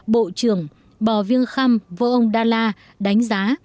bộ trưởng bò viêng khăm vô ông đa la đánh giá